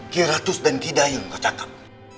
kiratus dan kidayun kau cakap